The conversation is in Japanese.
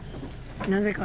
なぜか。